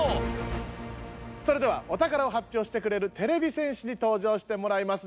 それではお宝をはっぴょうしてくれるてれび戦士に登場してもらいます。